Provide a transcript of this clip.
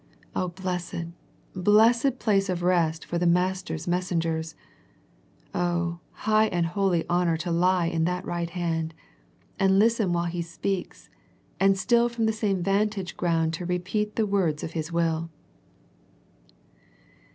Oh, blessed, blessed place of rest for the Master's messengers ! Oh, high and holy honour to lie in that right hand, and listen while He speaks, and still from the isame vantage ground to repeat the words of jHis will.